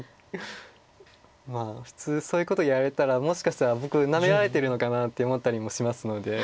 まあ普通そういうことやられたらもしかしたら僕なめられてるのかなって思ったりもしますので。